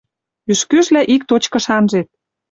Ӱшкӱжлӓ ик точкыш анжет.